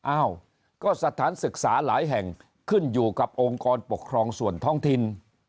อ้าวก็สถานศึกษาหลายแห่งขึ้นอยู่กับองค์กรปกครองส่วนท้องถิ่น